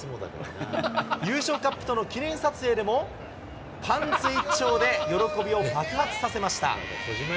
優勝カップとの記念撮影でも、パンツ一丁で喜びを爆発させました。